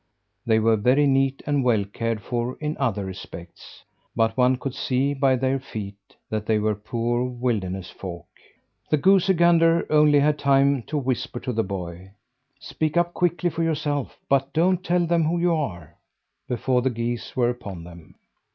They were very neat and well cared for in other respects, but one could see by their feet that they were poor wilderness folk. The goosey gander only had time to whisper to the boy: "Speak up quickly for yourself, but don't tell them who you are!" before the geese were upon them.